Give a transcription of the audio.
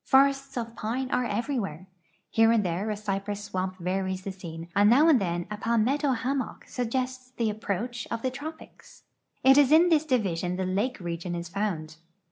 Forests of pine are every where. Here and there a cypress swamp varies the scene, and now and then a palmetto liammock suggests the approach of the tropics. It is in this division the lake region is found.